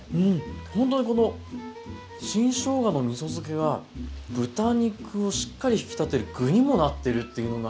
ほんとにこの新しょうがのみそ漬けは豚肉をしっかり引き立てる具にもなっているっていうのが。